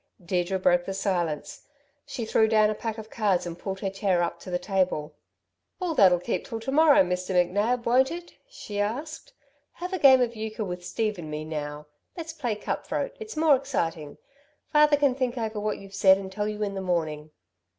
Deirdre broke the silence. She threw down a pack of cards and pulled her chair up to the table. "All that'll keep till to morrow, Mr. McNab, won't it?" she asked. "Have a game of euchre with Steve and me, now. Let's play cut throat it's more exciting. Father can think over what you've said and tell you in the morning."